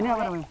ini apa remis